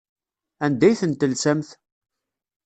Anda ay tent-telsamt?